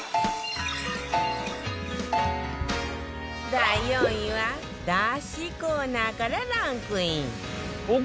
第４位は出汁コーナーからランクイン